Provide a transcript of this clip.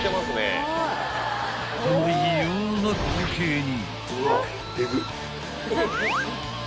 ［この異様な光景に］